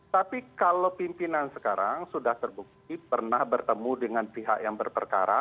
tapi kalau pimpinan sekarang sudah terbukti pernah bertemu dengan pihak yang berperkara